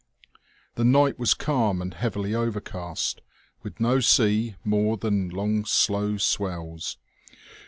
The night was calm and heavily overcast, with no sea more than long, slow swells.